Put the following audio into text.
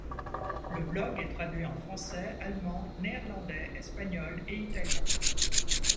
Le blog est traduit en français, allemand, néerlandais, espagnol et italien.